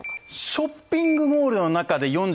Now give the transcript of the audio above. ショッピングモールの中で４２．１９５